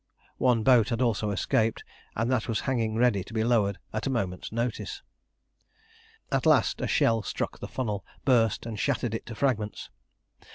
One boat had also escaped, and that was hanging ready to be lowered at a moment's notice. At last a shell struck the funnel, burst, and shattered it to fragments.